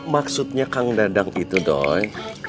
maksudnya kang dadang itu dong